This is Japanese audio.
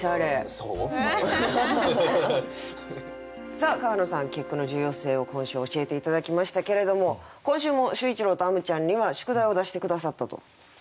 さあ川野さん結句の重要性を今週教えて頂きましたけれども今週も秀一郎とあむちゃんには宿題を出して下さったと。